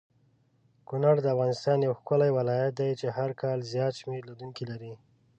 کونړ دافغانستان یو ښکلی ولایت دی چی هرکال زیات شمیر لیدونکې لری